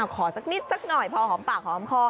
สักนิดสักหน่อยพอหอมปากหอมคอ